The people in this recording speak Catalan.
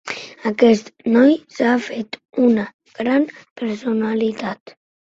Aquest noi s'ha fet una gran personalitat.